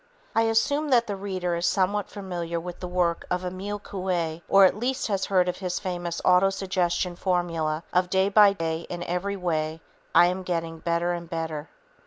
I assume that the reader is somewhat familiar with the work of Emile Coué or at least has heard of his famous autosuggestion formula of "Day by day, in every way, I'm getting better and better."